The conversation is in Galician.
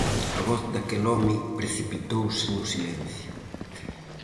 A voz daquel home precipitouse no silencio.